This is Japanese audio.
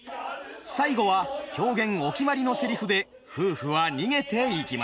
最後は狂言お決まりのセリフで夫婦は逃げていきます。